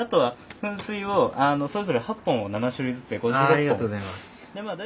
ありがとうございます。